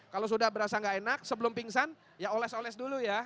kalau sudah berasa nggak enak sebelum pingsan ya oles oles dulu ya